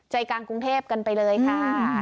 ใจกลางกรุงเทพกันไปเลยค่ะ